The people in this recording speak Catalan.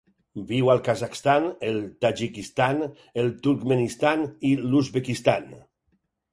Viu al Kazakhstan, el Tadjikistan, el Turkmenistan i l'Uzbekistan.